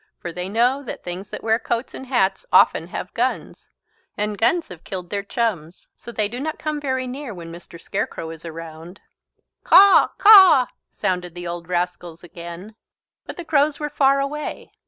For they know that things that wear coats and hats often have guns. And guns have killed their chums. So they do not come very near when Mr. Scarecrow is around." "Caw, caw!" sounded the old rascals again. But the crows were far away.